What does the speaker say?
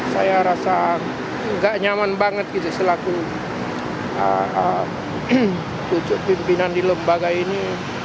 saya rasa nggak nyaman banget gitu selaku pimpinan di lembaga ini